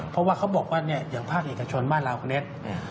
เพราะว่าเขาบอกว่าอย่างภาคเอกชนบ้านเราคนนี้